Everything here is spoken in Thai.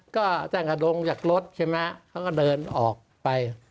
ก็แต่ลงจากรถใช่ไหมเขาก็เดินออกไป